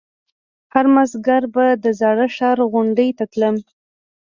هر مازديگر به د زاړه ښار غونډۍ ته تلم.